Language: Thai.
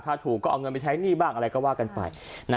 ถ้าถูกก็เอาเงินไปใช้หนี้บ้างอะไรก็ว่ากันไป